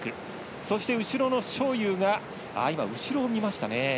そして、後ろの章勇が後ろを見ましたね。